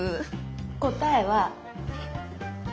答えは鳥！